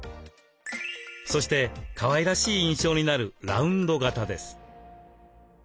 そしてかわいらしい印象になるラウンド型です。